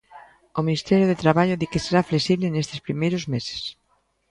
O Ministerio de Traballo di que será flexible nestes primeiros meses.